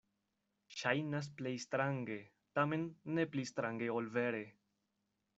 Ŝajnas plej strange, tamen ne pli strange ol vere.